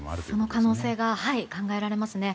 その可能性が考えられますね。